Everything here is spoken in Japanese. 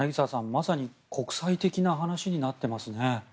まさに国際的な話になっていますね。